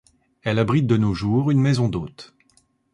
Elle abrite de nos jours une maison d'hôtes.